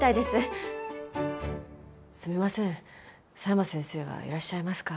「すみません佐山先生はいらっしゃいますか？」